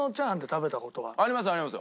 ありますあります。